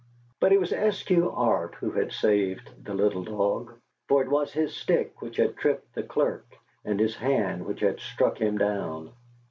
But it was Eskew Arp who had saved the little dog; for it was his stick which had tripped the clerk, and his hand which had struck him down.